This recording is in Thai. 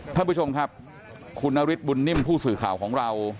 ท่านผู้ชมครับคุณนฤทธบุญนิ่มผู้สื่อข่าวของเรา